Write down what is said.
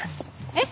えっ？